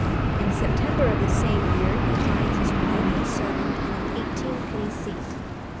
In September of the same year he finds his wife and servant in an eighteenpenny seat.